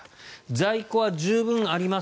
在庫は十分あります